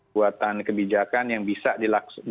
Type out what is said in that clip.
buatan kebijakan yang bisa dilaksanakan